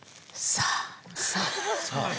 「さあ」？